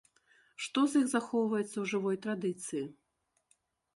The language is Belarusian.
Што з іх захоўваецца ў жывой традыцыі?